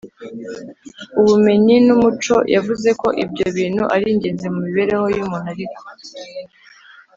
ubumenyi n’umuco. yavuze ko ibyo bintu ari ingenzi mu mibereho y’umuntu ariko